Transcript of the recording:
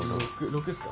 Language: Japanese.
６っすか。